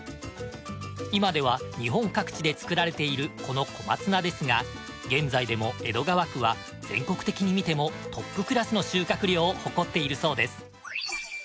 今では日本各地で作られているこの小松菜ですが現在でも江戸川区は全国的に見てもトップクラスの収穫量を誇っているそうです。